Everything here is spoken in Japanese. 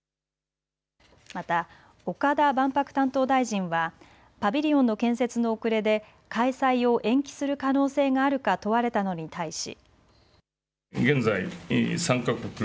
また岡田万博担当大臣はパビリオンの建設の遅れで開催を延期する可能性があるか問われたのに対し。